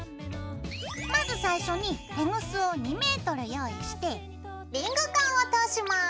まず最初にテグスを２ｍ用意してリングカンを通します。